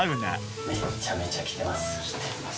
めっちゃめちゃきてます。